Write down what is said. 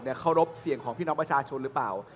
เคารพเสียงของพี่น้องประชาชนหรือเปล่า